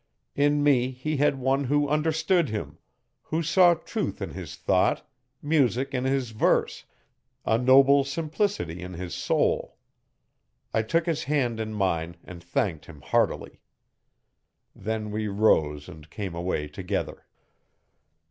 In me he had one who understood him, who saw truth in his thought, music in his verse, a noble simplicity in his soul. I took his hand in mine and thanked him heartily. Then we rose and came away together.